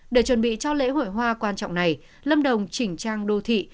để chuẩn bị cho lễ hội hoa quan trọng này lâm đồng chỉnh trang đô thị